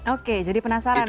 oke jadi penasaran ya